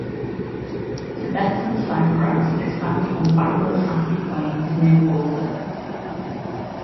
Tibetan sandgrouse is found on barren sandy plains near water.